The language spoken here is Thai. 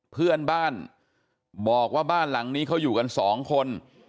เพื่อนบ้านบอกว่าบ้านหลังนี้เขาอยู่กันสองคน